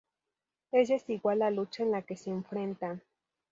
Es desigual la lucha en la que se enfrentan